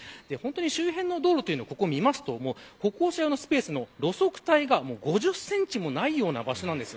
周辺の道路を見ると歩行者用のスペース路側帯が５０センチもないような場所です。